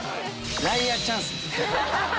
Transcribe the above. ライアーチャンスです。